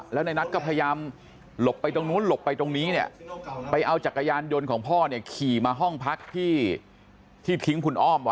แล้วในนัทก็พยายามหลบไปตรงนู้นหลบไปตรงนี้เนี่ยไปเอาจักรยานยนต์ของพ่อเนี่ยขี่มาห้องพักที่ทิ้งคุณอ้อมไว้